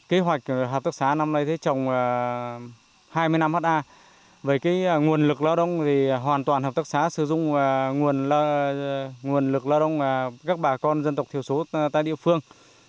kế hoạch hợp tác xá năm nay trồng hai mươi năm ha về cái nguồn lực lao động thì hoàn toàn hợp tác xá sử dụng nguồn lực lao động các bà con dân tộc thiểu số tại địa phương